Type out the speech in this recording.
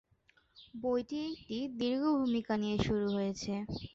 বইটি একটি দীর্ঘ ভূমিকা নিয়ে শুরু হয়েছে।